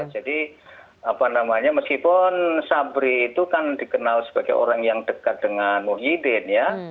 jadi meskipun sabri itu kan dikenal sebagai orang yang dekat dengan muhyiddin ya